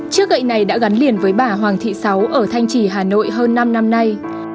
chiếc gậy này đã gắn liền với bà hoàng thị sáu ở thanh trì hà nội hơn năm năm nay